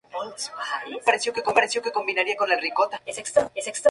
Esa noche, los ogros se preparan para tender una emboscada al carruaje de Rumpelstiltskin.